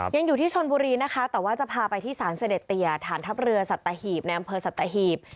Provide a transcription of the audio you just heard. ยังอยู่ที่ชนบุรีนะคะแต่ว่าจะพาไปที่สารเสด็จเตียฐานทัพเรือสัตหีบในอำเภอสัตหีบ